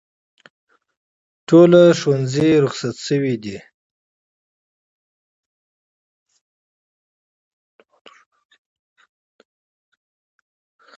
ټول ښوونځي روخصت شوي دي